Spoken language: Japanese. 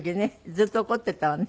ずっと怒ってたわね。